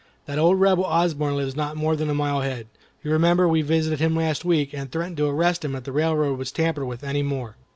That old Rebel Osborne lives not more than a mile ahead. You remember we visited him last week, and threatened to arrest him if the railroad was tampered with any more.